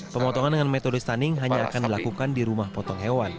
pemotongan dengan metode stunning hanya akan dilakukan di rumah potong hewan